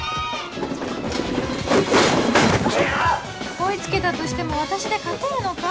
追い付けたとしても私で勝てるのか？